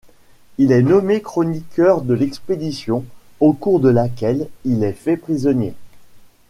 Il est nommé Chroniqueur de l'expédition au cours de laquelle il est fait prisonnier.